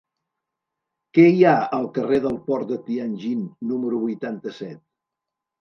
Què hi ha al carrer del Port de Tianjin número vuitanta-set?